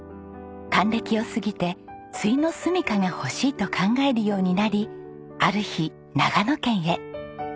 還暦を過ぎて終のすみかが欲しいと考えるようになりある日長野県へ。